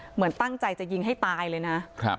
เหมือนตั้งใจจะยิงให้ตายเลยนะ